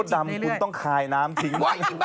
คุณพ่อดำคุณต้องคาย้น้ำทิ้ง